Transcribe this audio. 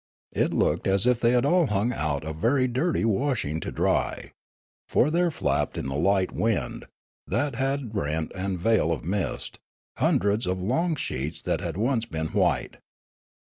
It looked as if they had all hung out a very dirty washing to dry ; for there flapped in the light wind, that had rent the veil of mist, hundreds of long sheets that had once been white.